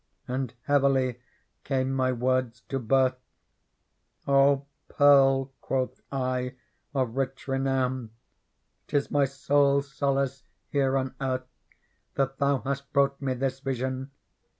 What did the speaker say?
And heavily came my words to birth : "O Pearl," quoth I, "of rich renown, 'Tis my sole solace here on earth That tiiou hast brought me this vision.